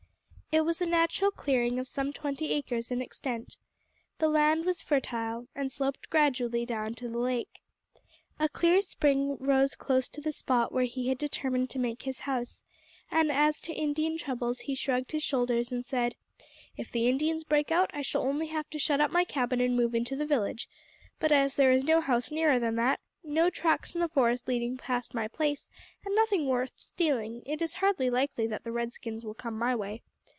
It was a natural clearing of some twenty acres in extent. The land was fertile, and sloped gradually down to the lake. A clear spring rose close to the spot where he had determined to make his house, and as to Indian troubles he shrugged his shoulders and said: "If the Indians break out I shall only have to shut up my cabin and move into the village; but as there is no house nearer than that, no tracks in the forest leading past my place, and nothing worth stealing, it is hardly likely that the red skins will come my way.